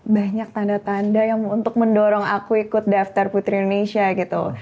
banyak tanda tanda yang untuk mendorong aku ikut daftar putri indonesia gitu